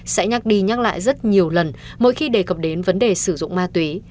sẽ nhắc đi nhắc lại rất nhiều lần mỗi khi đề cập đến vấn đề sử dụng ma túy